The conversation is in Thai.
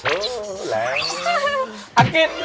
เฮ้ยเอ้ยซ้ำ